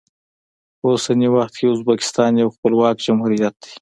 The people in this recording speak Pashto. په اوسني وخت کې ازبکستان یو خپلواک جمهوریت دی.